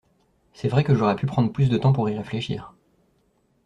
C’est vrai que j’aurais pu prendre plus de temps pour y réfléchir.